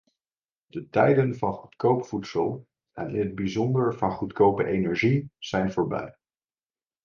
De tijden van goedkoop voedsel en in het bijzonder van goedkope energie zijn voorbij.